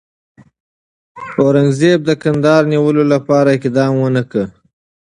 اورنګزېب د کندهار د نیولو لپاره اقدام ونه کړ.